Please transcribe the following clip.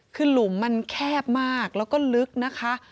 คือหลุมมันแคบมากแล้วก็ลึกนะคะ